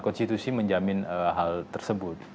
konstitusi menjamin hal tersebut